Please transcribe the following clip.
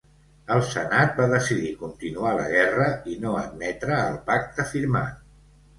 El Senat va decidir continuar la guerra i no admetre el pacte firmat.